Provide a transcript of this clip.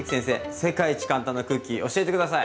世界一簡単なクッキー教えて下さい。